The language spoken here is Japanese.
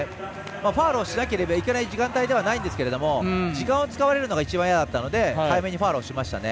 ファウルをしなければいけない時間帯ではないんですが時間を使われるのが一番、嫌だったので早めにファウルをしました。